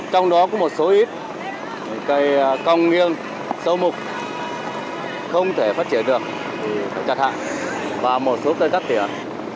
trong đó có một số ít cây cong nghiêng sâu mục không thể phát triển được chặt hạ và một số cây đắt tiền